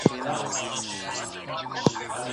تاسو د غريبانو سره مرسته جاري وساتئ.